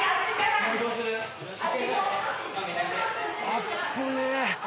あっぶねえ。